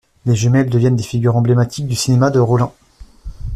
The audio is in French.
Les jumelles deviennent des figures emblématiques du cinéma de Rollin.